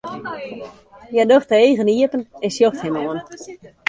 Hja docht de eagen iepen en sjocht him oan.